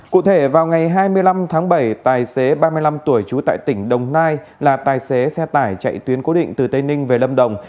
cụ thể vào ngày hai mươi năm tháng bảy tài xế ba mươi năm tuổi trú tại tỉnh đồng nai là tài xế xe tải chạy tuyến cố định từ tây ninh về lâm đồng